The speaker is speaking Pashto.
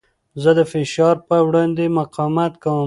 زه د فشار په وړاندې مقاومت کوم.